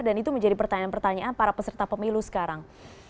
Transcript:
dan itu menjadi pertanyaan pertanyaan para peserta pemilu sekarang